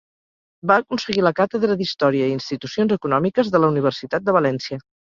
Va aconseguir la càtedra d'Història i Institucions Econòmiques de la Universitat de València.